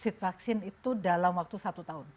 memiliki vaccine itu dalam waktu satu tahun